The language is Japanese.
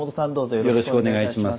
よろしくお願いします。